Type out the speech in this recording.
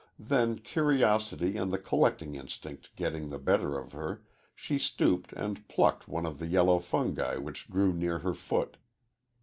Then, curiosity and the collecting instinct getting the better of her, she stooped and plucked one of the yellow fungi which grew near her foot.